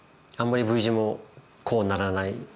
あんまりＶ字もこうならない。